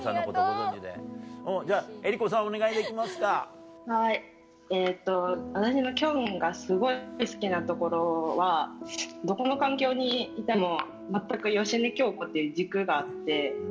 私のきょんがすごい好きなところはどこの環境にいても全く芳根京子っていう軸があって。